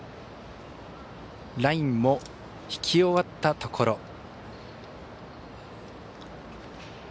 ラインも引き終わったところ。